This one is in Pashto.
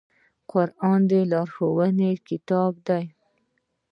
قرآن د لارښوونې کتاب دی